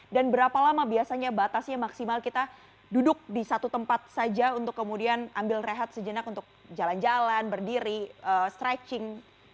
dan berapa lama biasanya batasnya maksimal kita duduk di satu tempat saja untuk kemudian ambil rehat sejenak untuk jalan jalan berdiri stretching